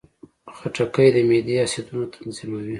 خټکی د معدې اسیدونه تنظیموي.